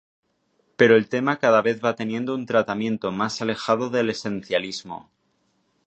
Pero el tema cada vez va teniendo un tratamiento más alejado del esencialismo.